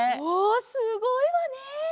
おすごいわね！